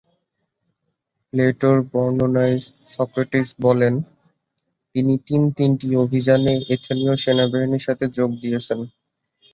প্লেটোর বর্ণনায় সক্রেটিস বলেন, তিনি তিন তিনটি অভিযানে এথেনীয় সেনাবাহিনীর সাথে যোগ দিয়েছেন।